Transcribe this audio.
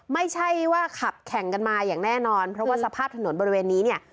ไม่ใช่ว่าขับแข่งกันมาอย่างแน่นอนเพราะว่าสภาพถนนบริเวณนี้เนี่ย